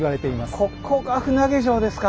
ここが船上城ですか。